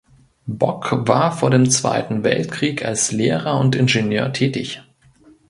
Bock war vor dem Zweiten Weltkrieg als Lehrer und Ingenieur tätig.